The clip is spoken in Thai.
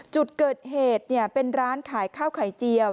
จุดเกิดเหตุเป็นร้านขายข้าวไข่เจียว